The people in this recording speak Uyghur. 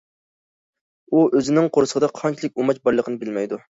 ئۇ ئۆزىنىڭ قورسىقىدا قانچىلىك ئۇماچ بارلىقىنى بىلمەيدۇ.